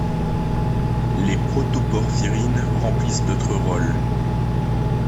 Les protoporphyrines remplissent d'autres rôles.